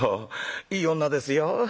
いい女ですよ。